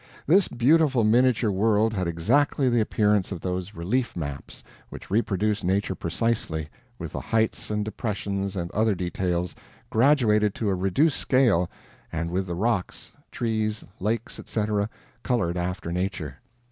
This beautiful miniature world had exactly the appearance of those "relief maps" which reproduce nature precisely, with the heights and depressions and other details graduated to a reduced scale, and with the rocks, trees, lakes, etc., colored after nature.